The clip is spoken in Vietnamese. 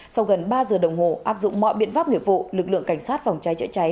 sau gần ba giờ đồng hồ áp dụng mọi biện pháp nghiệp vụ lực lượng cảnh sát phòng cháy chữa cháy